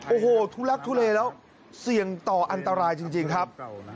โอ้โหทุลักทุเลแล้วเสี่ยงต่ออันตรายจริงครับ